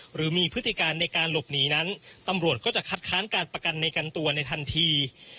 หรือมีพฤติการในการหลบหนีนั้นตำรวจก็จะคัดค้านการประกันในกันตัวในทันที